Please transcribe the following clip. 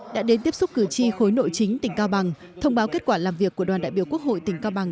đã đến tiếp xúc cử tri khối nội chính tỉnh cao bằng thông báo kết quả làm việc của đoàn đại biểu quốc hội tỉnh cao bằng